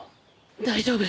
大丈夫！？